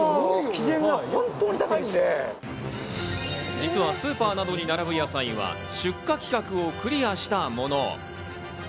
実はスーパーなどに並ぶ野菜は出荷規格をクリアしたもの。